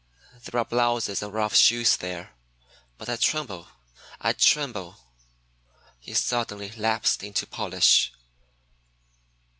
There are blouses and rough shoes there. But I tremble; I tremble!" He suddenly lapsed into Polish.